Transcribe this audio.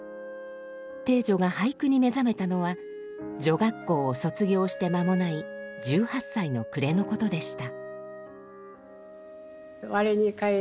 汀女が俳句に目覚めたのは女学校を卒業して間もない１８歳の暮れのことでした。